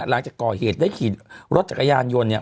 หลังจากก่อเหตุได้ขี่รถจักรยานยนต์เนี่ย